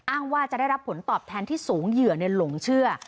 ว่าจะได้รับผลตอบแทนที่สูงเหยื่อหลงเชื่อ